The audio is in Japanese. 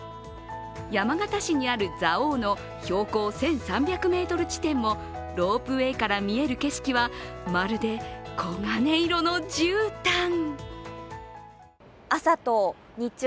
山形市にある蔵王の標高１３００ｍ地点もロープウエーから見える景色はまるで黄金色のじゅうたん。